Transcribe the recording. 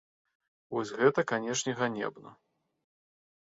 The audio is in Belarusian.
Вось гэта, канешне, ганебна.